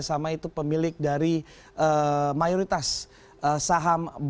walaupun dengannya mereka sudah jadi